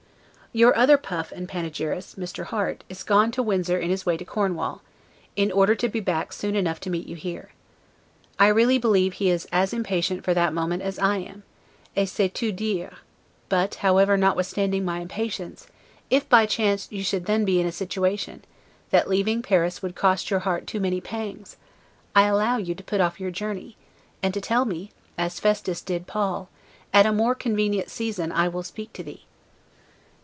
Your other puff and panegyrist, Mr. Harte, is gone to Windsor in his way to Cornwall, in order to be back soon enough to meet you here: I really believe he is as impatient for that moment as I am, 'et c'est tout dire': but, however, notwithstanding my impatience, if by chance you should then be in a situation, that leaving Paris would cost your heart too many pangs, I allow you to put off your journey, and to tell me, as Festus did Paul, AT A MORE CONVENIENT SEASON I WILL SPEAK TO THEE.